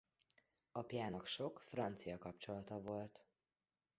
Apjának sok francia kapcsolata volt.